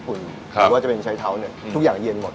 หรือว่าจะเป็นใช้เท้าเนี่ยทุกอย่างเย็นหมด